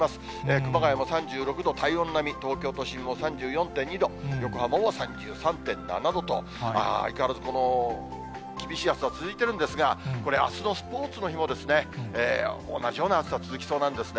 熊谷も３６度、体温並み、東京都心も３４．２度、横浜も３３．７度と、相変わらずこの厳しい暑さ続いてるんですが、これ、あすのスポーツの日も、同じような暑さ、続きそうなんですね。